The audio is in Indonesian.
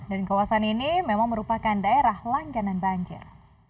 dan kawasan ini memang merupakan daerah langganan banjir